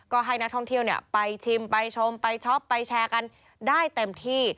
ก็ให้นักท่องเที่ยวไปชิมไปชมไปช็อปไปแชร์กันได้เต็มที่